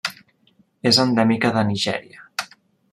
És endèmica de Nigèria.